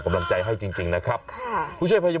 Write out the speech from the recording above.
เบื้องต้น๑๕๐๐๐และยังต้องมีค่าสับประโลยีอีกนะครับ